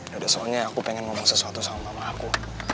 yaudah soalnya aku pengen ngomong sesuatu sama mama aku